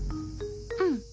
うん。